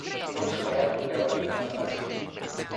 Non superando però la prima fase.